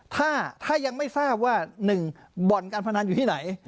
ถ้ายังไม่ทราบว่า๑บ่อนการพนันอยู่ที่ไหน